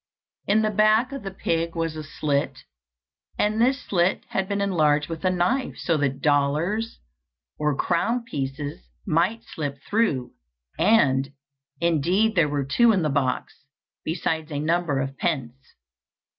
In the back of the pig was a slit, and this slit had been enlarged with a knife, so that dollars, or crown pieces, might slip through; and, indeed there were two in the box, besides a number of pence.